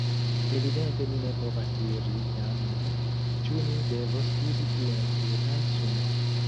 Evidente mi ne povas diri jam nun, ĉu ni devos uzi tiun tutan sumon.